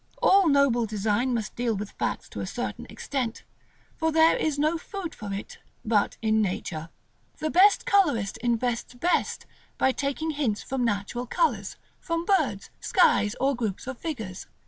All noble design must deal with facts to a certain extent, for there is no food for it but in nature. The best colorist invents best by taking hints from natural colors; from birds, skies, or groups of figures.